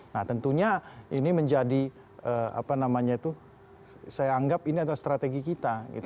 nah tentunya ini menjadi apa namanya itu saya anggap ini adalah strategi kita